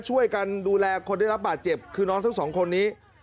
ช่วยกันดูแลคนได้รับบาดเจ็บคือน้องทั้งสองคนนี้